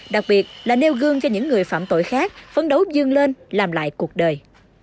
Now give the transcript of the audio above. đặc biệt là nêu gương cho những người phạm tội khác phấn đấu dương lên làm lại cuộc đời